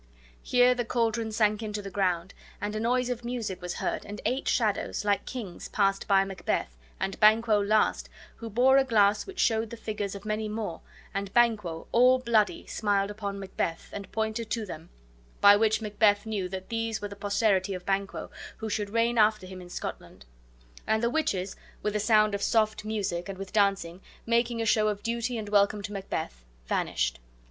Here the caldron sank into the ground, and a noise of music was heard, and eight shadows, like kings, passed by Macbeth, and Banquo last, who bore a glass which showed the figures of many more, and Banquo, all bloody, smiled upon Macbeth, and pointed to them; by which Macbeth knew that these were the posterity of Banquo, who should reign after him in Scotland; and the witches, with a sound of soft music, and with dancing, making a show of duty and welcome to Macbeth, vanished.